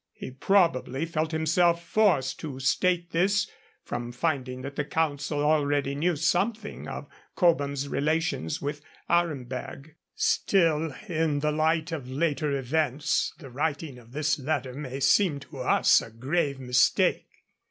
He probably felt himself forced to state this from finding that the Council already knew something of Cobham's relations with Aremberg. Still, in the light of later events, the writing of this letter may seem to us a grave mistake.